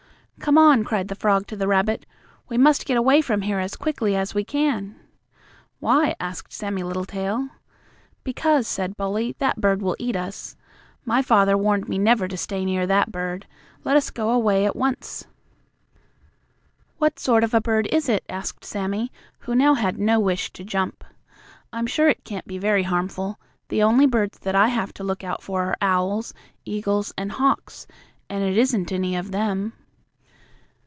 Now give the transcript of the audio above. "Come on!" cried the frog to the rabbit. "We must get away from here as quickly as we can." "Why?" asked Sammie Littletail. "Because," said Bully, "that bird will eat us. My father warned me never to stay near that bird. Let us go away at once." "What sort of a bird is it?" asked Sammie, who now had no wish to jump. "I'm sure it can't be very harmful. The only birds that I have to look out for are owls, eagles and hawks, and it isn't any of them."